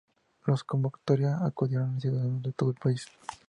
A la convocatoria acudieron ciudadanos de todo el país.